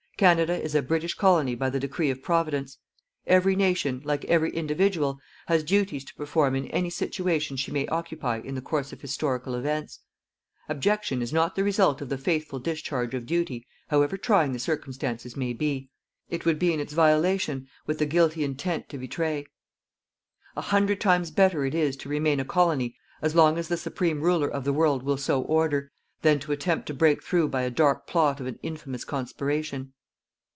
Canada is a British colony by the decree of Providence. Every nation like every individual has duties to perform in any situation she may occupy in the course of historical events. Abjection is not the result of the faithful discharge of duty, however trying the circumstances may be. It would be in its violation with the guilty intent to betray. A hundred times better it is to remain a colony as long as the Supreme Ruler of the world will so order, than to attempt to break through by the dark plot of an infamous conspiration.